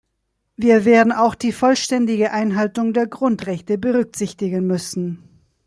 Wir werden auch die vollständige Einhaltung der Grundrechte berücksichtigen müssen.